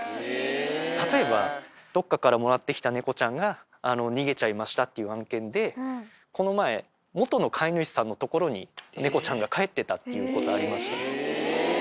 例えば、どっかからもらってきた猫ちゃんが逃げちゃいましたっていう案件で、この前、元の飼い主さんの所に、猫ちゃんが帰ってたっていうことありました。